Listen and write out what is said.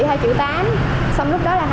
hai triệu tám xong lúc đó là